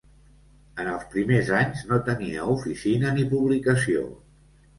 En els primers anys, no tenia oficina ni publicació.